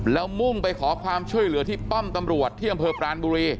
แล้วมุ่งไปขอความช่วยเหลือที่ป้อมตำรวจที่อำเภอปรานบุรี